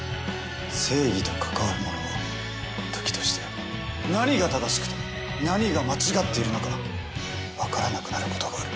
正義と関わる者は時として何が正しくて何が間違っているのか分からなくなることがある。